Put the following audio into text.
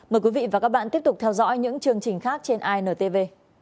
mời quý vị và các bạn tiếp tục theo dõi những chương trình khác trên intv